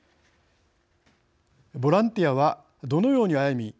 ボランティアはどのように歩み